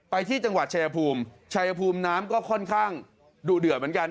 ไปที่จังหวัดชายภูมิชัยภูมิน้ำก็ค่อนข้างดุเดือดเหมือนกัน